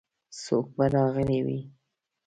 څوک به راغلي وي؟